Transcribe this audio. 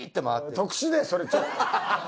特殊ねそれちょっと。